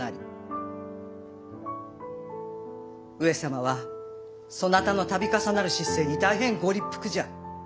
上様はそなたの度重なる失政に大変ご立腹じゃ。